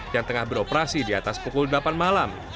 yang tengah beroperasi di atas pukul delapan malam